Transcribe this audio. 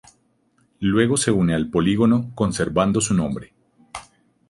Luego se une al polígono, conservando su nombre.